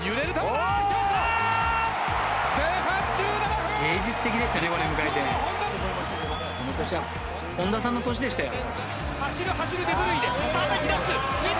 この年は本田さんの年でしたよ。